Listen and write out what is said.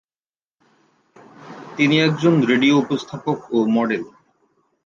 তিনি একজন রেডিও উপস্থাপক ও মডেল।